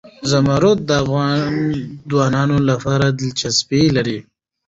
زمرد د افغان ځوانانو لپاره دلچسپي لري.